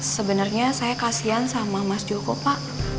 sebenarnya saya kasian sama mas joko pak